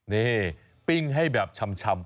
เนี่ยปิ้งให้แบบชำชำ